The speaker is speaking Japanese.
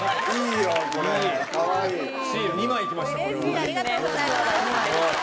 ありがとうございます。